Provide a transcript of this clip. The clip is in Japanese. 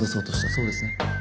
そうですね？